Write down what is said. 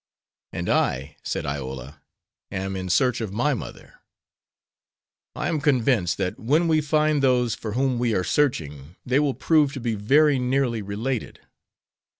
"And I," said Iola, "am in search of my mother. I am convinced that when we find those for whom we are searching they will prove to be very nearly related.